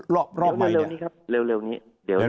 เร็วเร็วนี้ครับ